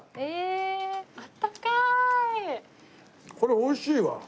これ美味しいわ。